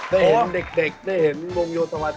ได้เห็นเด็กได้เห็นวงโยสวัสดิ